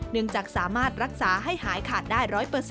จากสามารถรักษาให้หายขาดได้๑๐๐